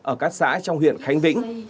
ở các xã trong huyện khánh vĩnh